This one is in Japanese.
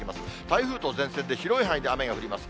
台風と前線で広い範囲で雨が降ります。